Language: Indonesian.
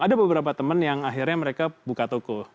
ada beberapa teman yang akhirnya mereka buka toko